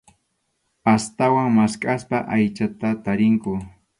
Astawan maskhaspa aychata tarinku.